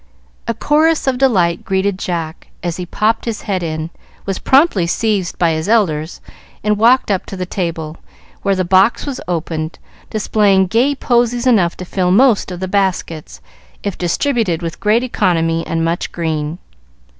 A chorus of delight greeted Jack as he popped his head in, was promptly seized by his elders and walked up to the table, where the box was opened, displaying gay posies enough to fill most of the baskets if distributed with great economy and much green.